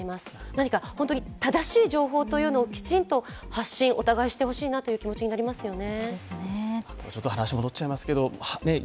何か本当に正しい情報というのを発信、お互いしてほしいなという気持ちになりますね。